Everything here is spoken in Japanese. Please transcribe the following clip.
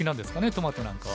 トマトなんかは。